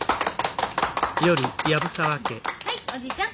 ・はいおじいちゃん。